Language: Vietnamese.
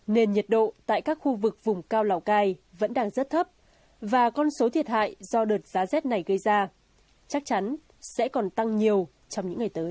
nên nhiệt độ tại các khu vực vùng cao lào cai vẫn đang rất thấp và con số thiệt hại do đợt giá rét này gây ra chắc chắn sẽ còn tăng nhiều trong những ngày tới